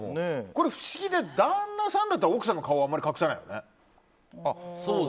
これ不思議で、旦那さんだったら奥さんの顔はあんまり隠さないよね。